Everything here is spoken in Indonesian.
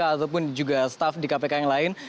ataupun juga staff di kpk yang lain